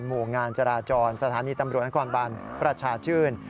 หมู่งานจราจรสถานีตำรวจนครบันประชาชื่น